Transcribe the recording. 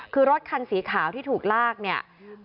คือรถคันสีขาวที่ถูกลากเนี่ย